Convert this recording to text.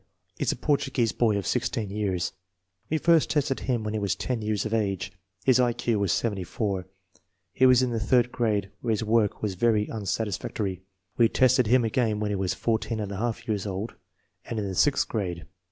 is a Portuguese boy of 16 years. We first tested him when he was 10 years of age. His I Q was 74. He was in the third grade, where his work was very unsatisfactory. We tested him again when he was 14 J years old and in the sixth grade.